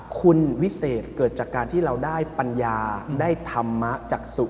คุณวิเศษเกิดจากการที่เราได้ปัญญาได้ธรรมะจักษุ